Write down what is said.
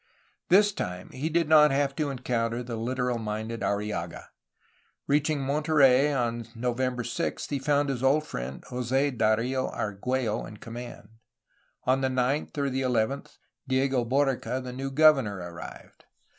This time he did not have to encounter the literal minded Arrillaga. Reaching Monte rey on November 6 he found his old friend Jos^ Darlo Argtiello in command. On the 9th or the 11th Diego Borica, the new governor, arrived.